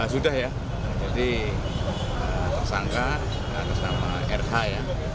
sudah ya jadi tersangka tersama rh ya